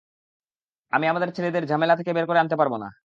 আমি আমাদের ছেলেদের ঝামেলা থেকে বের করে আনতে পারবো না।